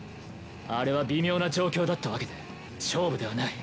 あれは微妙な状況だったワケで勝負ではない。